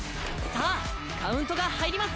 さぁカウントが入ります！